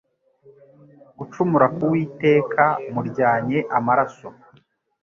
gucumura ku Uwiteka muryanye amaraso